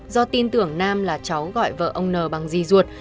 do tin tưởng nam là cháu gọi vợ ông n bằng di ruột